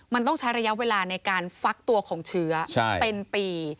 มันต้องใช้ระยะเวลาในการฟักตัวของเชื้อเป็นปี